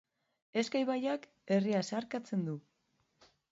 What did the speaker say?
Ezka ibaiak herria zeharkatzen du.